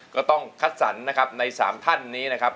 ก็ต้องคัดสรรนะครับใน๓ท่านนี้นะครับ